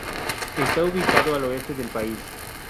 Está ubicado al oeste del país.